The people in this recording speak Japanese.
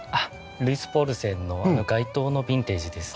ルイスポールセンの街灯のビンテージです。